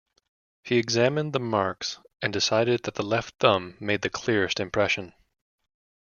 He examined the marks and decided that the left thumb made the clearest impression.